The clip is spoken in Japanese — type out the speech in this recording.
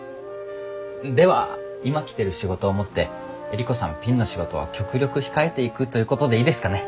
では今来てる仕事をもってエリコさんピンの仕事は極力控えていくということでいいですかね。